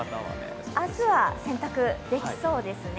明日は洗濯できそうですね。